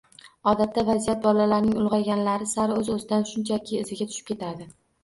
Odatda vaziyat bolalarning ulg‘ayganlari sari o‘z-o‘zidan shunchaki iziga tushib ketadi.